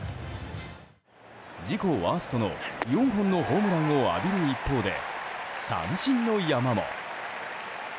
自己ワーストの４本のホームランを浴びる一方で三振の山も。